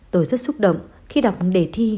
tôi rất xúc động khi đọc đề thi